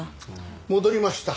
戻りました。